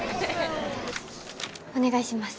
お願いします